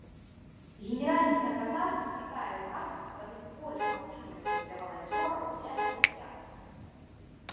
Генеральны сакратар заклікае ўрады стварыць больш магчымасцяў для валанцёраў для развіцця.